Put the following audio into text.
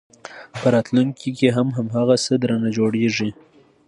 په راتلونکي کې هم هماغه څه درنه جوړېږي.